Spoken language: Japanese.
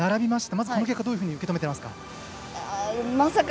まずこの結果をどういうふうに受け止めていますか。